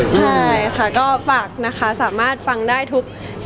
แต่จริงแล้วเขาก็ไม่ได้กลิ่นกันว่าถ้าเราจะมีเพลงไทยก็ได้